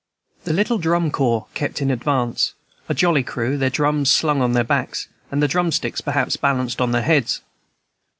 The little drum corps kept in advance, a jolly crew, their drums slung on their backs, and the drum sticks perhaps balanced on their heads.